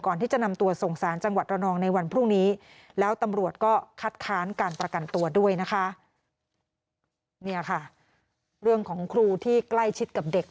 ก่อนที่จะนำตัวส่งสารจังหวัดระนองในวันพรุ่งนี้